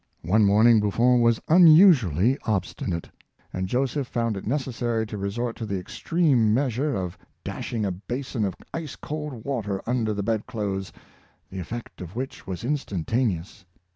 One morning Buffon was unusually obstinate, and Joseph found it necessary to resort to the extreme measure of dashing a basin of ice cold water under the bed clothes, the effect of which was instantaneous.